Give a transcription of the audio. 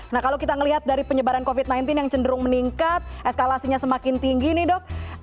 nah kalau kita melihat dari penyebaran covid sembilan belas yang cenderung meningkat eskalasinya semakin tinggi nih dok